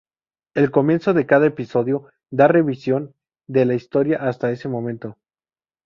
El comienzo de cada episodio da revisión de la historia hasta ese momento.